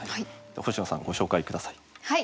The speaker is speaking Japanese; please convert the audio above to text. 星野さんご紹介下さい。